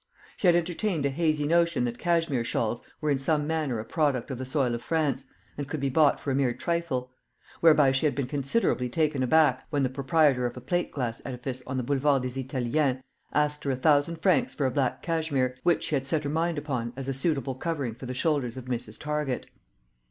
She had entertained a hazy notion that cashmere shawls were in some manner a product of the soil of France, and could be bought for a mere trifle; whereby she had been considerably taken aback when the proprietor of a plate glass edifice on the Boulevard des Italiens asked her a thousand francs for a black cashmere, which she had set her mind upon as a suitable covering for the shoulders of Mrs. Target.